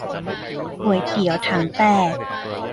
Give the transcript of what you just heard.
ก๋วยเตี๋ยวถังแตก